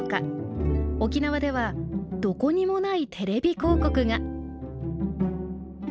沖縄では「どこにもないテレビ広告」が。